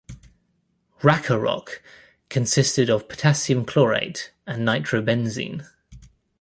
"Rackarock" consisted of potassium chlorate and nitrobenzene.